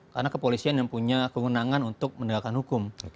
karena kepolisian yang punya kewenangan untuk menegakkan hukum